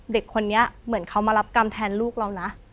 เด็กคนนี้เหมือนเขามารับกรรมแทนลูกเรานะ